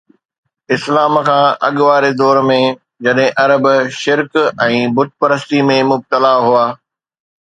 اسلام کان اڳ واري دور ۾، جڏهن عرب شرڪ ۽ بت پرستي ۾ مبتلا هئا